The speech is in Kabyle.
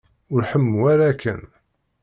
Ur ḥemmu ara akken.